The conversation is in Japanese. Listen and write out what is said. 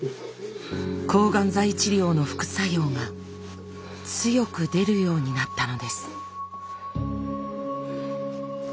抗がん剤治療の副作用が強く出るようになったのです。